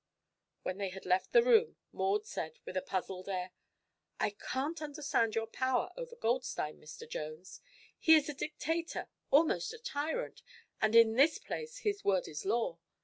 When they had left the room Maud said with a puzzled air: "I can't understand your power over Goldstein, Mr. Jones. He is a dictator almost a tyrant and in this place his word is law.